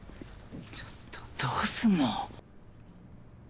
ちょっとどうすんの？